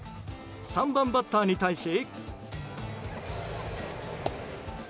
３番バッターに対し。